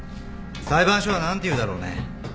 裁判所は何て言うだろうね。